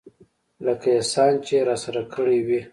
لکه احسان چې يې راسره کړى وي.